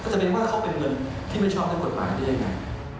จะเป็นว่าเขาเป็นเงินที่ไม่ชอบด้วยกฎหมายได้ยังไง